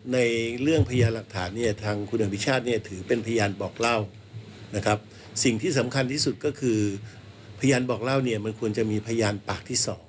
สิ่งที่จะยืนยันได้นิดหนึ่ง